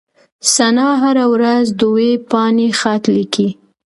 ثنا هره ورځ دوې پاڼي خط ليکي.